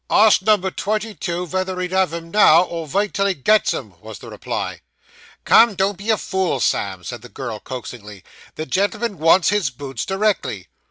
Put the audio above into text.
'Ask number twenty two, vether he'll have 'em now, or vait till he gets 'em,' was the reply. 'Come, don't be a fool, Sam,' said the girl coaxingly, 'the gentleman wants his boots directly.